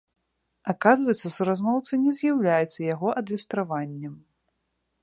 Аказваецца суразмоўца не з'яўляецца яго адлюстраваннем.